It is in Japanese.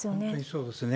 そうですね。